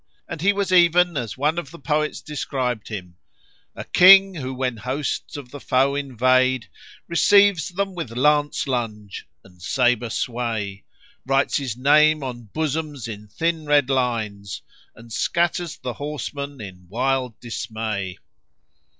and he was even as one of the poets described him, "A King who when hosts of the foe invade, * Receives them with lance lunge and sabre sway; Writes his name on bosoms in thin red lines, * And scatters the horsemen in wild dismay."